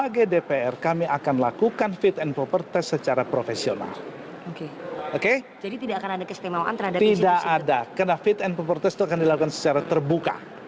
tidak ada karena fit and proper test itu akan dilakukan secara terbuka